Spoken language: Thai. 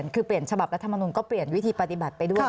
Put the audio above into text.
คือเปลี่ยนฉบับรัฐมนุนก็เปลี่ยนวิธีปฏิบัติไปด้วย